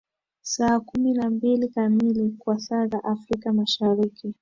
saa kumi na mbili kamili kwa saa za afrika mashariki